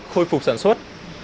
khôi phục sản xuất